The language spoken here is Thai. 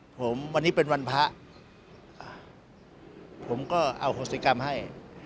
ผมวันนี้เป็นวันพระผมก็อโหสิกรรมให้